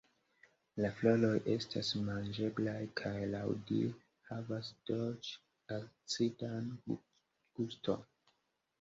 La floroj estas manĝeblaj kaj laŭdire havas dolĉ-acidan guston.